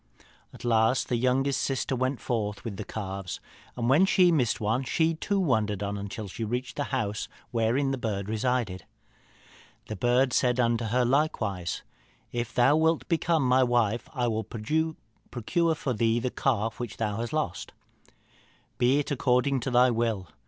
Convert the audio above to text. "At last the youngest sister went forth with the calves, and when she missed one she too wandered on until she reached the house wherein the bird resided. The bird said unto her likewise, 'If thou wilt become my wife, I will procure for thee the calf which thou hast lost.' 'Be it according to thy will.'